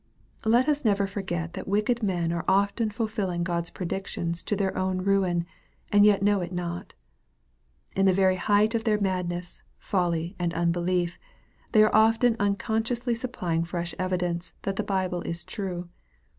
Let us never forget that wicked men are often fulfilling God's predictions to their own ruin, and yet know it not. In the very height of their madness, folly, and unbelief, they are often unconsciously supplying fresh evidence that the Bible is true.